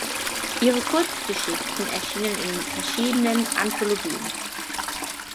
Ihre Kurzgeschichten erschienen in verschiedenen Anthologien.